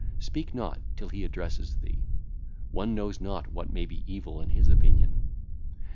Speak not till he address thee; one knoweth not what may be evil in his opinion.